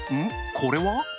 これは？